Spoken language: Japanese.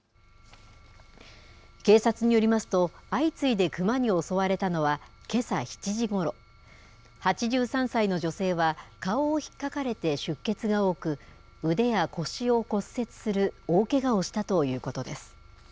警察によりますと相次いで熊に襲われたのはけさ７時ごろ８３歳の女性は顔を引っかかれて出血が多く腕や腰を骨折する大けがをしたということです。